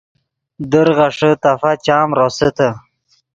در غیݰے تفا چام روسیتے